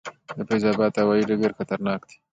د فیض اباد هوايي ډګر خطرناک دی؟